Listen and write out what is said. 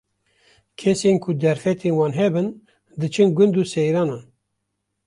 Kesên ku derfetên wan hebin, diçin gund û seyranan.